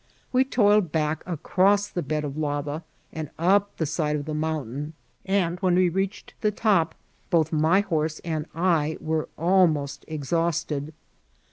We toiled back across the bed of lava and up the side of the mountain, and when we reached the top both my horse and I were almost exhausted.